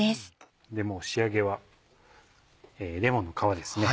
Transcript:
仕上げはレモンの皮ですね。